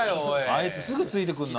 あいつすぐついてくるな。